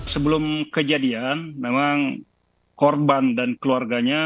sebelum kejadian memang korban dan keluarganya